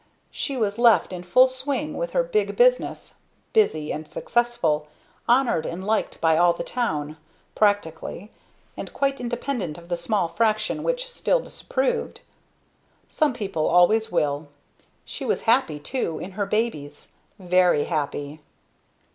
She was left in full swing with her big business, busy and successful, honored and liked by all the town practically and quite independent of the small fraction which still disapproved. Some people always will. She was happy, too, in her babies very happy.